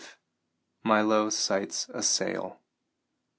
MILO SIGHTS A SAIL.